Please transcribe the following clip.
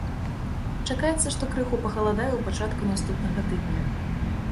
Чакаецца, што крыху пахаладае ў пачатку наступнага тыдня.